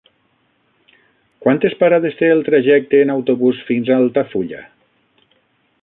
Quantes parades té el trajecte en autobús fins a Altafulla?